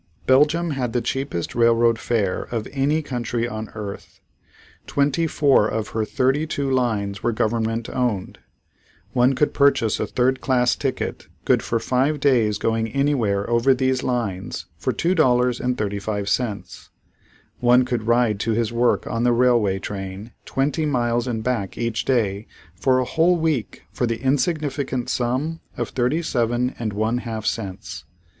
Belgium had the cheapest railroad fare of any country on earth. Twenty four of her thirty two lines were government owned. One could purchase a third class ticket, good for five days going anywhere over these lines for $2.35. One could ride to his work on the railway train twenty miles and back each day for a whole week for the insignificant sum of thirty seven and one half cents.